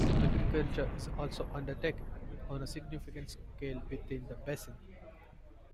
Agriculture is also undertaken on a significant scale within the basin.